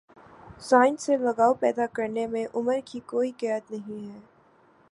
science سے لگاؤ پیدا کرنے میں عمر کی کوئی قید نہیں ہے